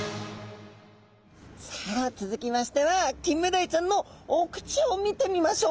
さあ続きましてはキンメダイちゃんのお口を見てみましょう。